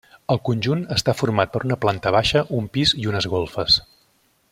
El conjunt està format per una planta baixa, un pis i unes golfes.